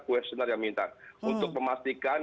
questionnare yang minta untuk memastikan